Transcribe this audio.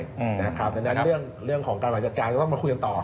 เพราะฉะนั้นเรื่องของการบรรยาการเราต้องมาคุยกันต่อ